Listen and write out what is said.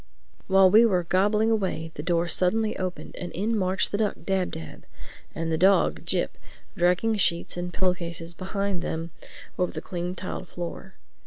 While we were gobbling away, the door suddenly opened and in marched the duck, Dab Dab, and the dog, Jip, dragging sheets and pillow cases behind them over the clean tiled floor.